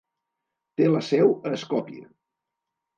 Té la seu a Skopje.